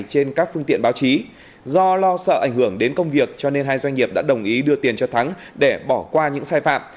trên các phương tiện báo chí do lo sợ ảnh hưởng đến công việc cho nên hai doanh nghiệp đã đồng ý đưa tiền cho thắng để bỏ qua những sai phạm